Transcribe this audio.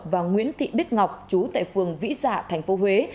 và nguyễn thị bích ngọc chú tại phường vĩ dạ tp huế